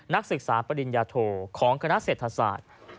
นักศึกษาปริญญาโทของคณะเศรษฐศาสตร์